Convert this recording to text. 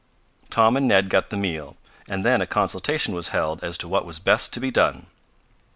Tom and Ned got the meal, and then a consultation was held as to what was best to be done.